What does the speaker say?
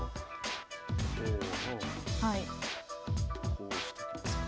こうしときますか。